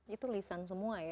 itu lisan semua ya